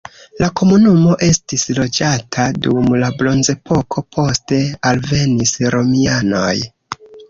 La komunumo estis loĝata dum la bronzepoko, poste alvenis romianoj.